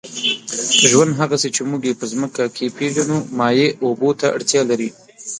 ژوند، هغسې چې موږ یې په مځکه کې پېژنو، مایع اوبو ته اړتیا لري.